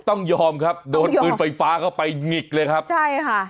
ต้องยอมครับโดนปืนไฟฟ้าเข้าไปหงิกเลยครับใช่ค่ะ